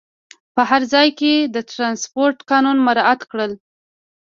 په هر ځای کې د ترانسپورټ قانون مراعات کړه.